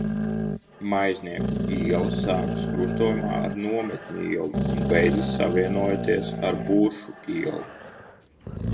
Maiznieku iela sākas krustojumā ar Nometņu ielu un beidzas savienojoties ar Buršu ielu.